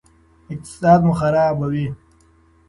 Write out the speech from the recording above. اقتصاد مو خرابوي.